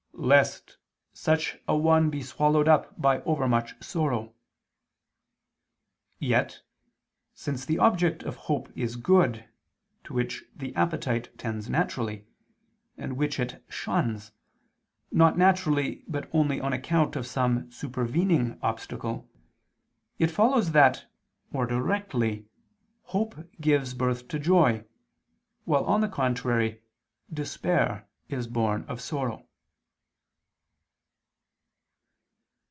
. such an one be swallowed up by overmuch sorrow." Yet, since the object of hope is good, to which the appetite tends naturally, and which it shuns, not naturally but only on account of some supervening obstacle, it follows that, more directly, hope gives birth to joy, while on the contrary despair is born of sorrow.